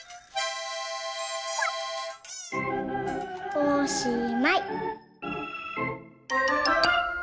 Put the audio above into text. おしまい！